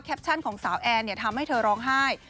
แคปชั่นของสาวแอนทำให้เธอร้องไห้